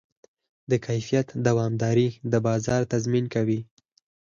د کیفیت دوامداري د بازار تضمین کوي.